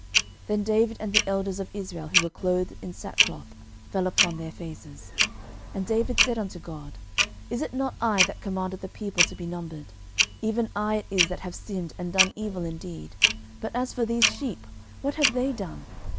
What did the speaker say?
Then David and the elders of Israel, who were clothed in sackcloth, fell upon their faces. 13:021:017 And David said unto God, Is it not I that commanded the people to be numbered? even I it is that have sinned and done evil indeed; but as for these sheep, what have they done?